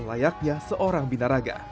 layaknya seorang binaraga